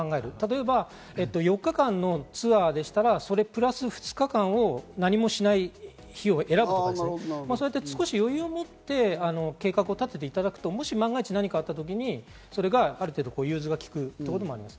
例えば４日間のツアーでしたら、それプラス２日間を何もしない日を選ぶとか、少し余裕を持って計画を立てていただくと、もし万が一何かあった時に、ある程度、融通がきくこともあります。